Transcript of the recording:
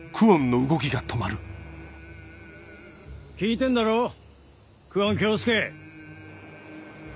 聞いてんだろ久遠京介。